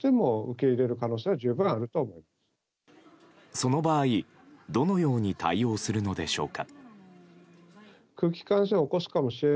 その場合どのように対応するのでしょうか。